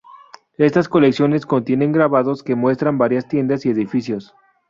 Estas colecciones contienen grabados que muestran varias tiendas y edificios.